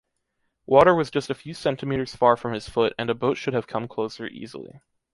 Water was just a few centimeters far from his foot and a boat should have come closer easily.